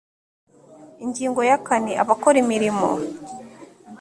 ingingo ya kane abakora imirimo